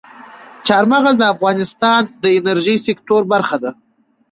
چار مغز د افغانستان د انرژۍ سکتور برخه ده.